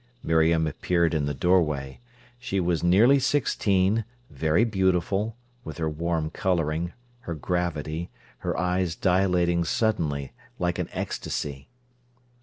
Miriam appeared in the doorway. She was nearly sixteen, very beautiful, with her warm colouring, her gravity, her eyes dilating suddenly like an ecstasy.